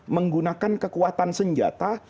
menggunakan kekuatan senjata